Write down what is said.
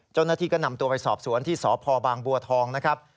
เจ้าหน้าที่ก็นำตัวไปสอบสวนที่สพบางบัวทองนะครับ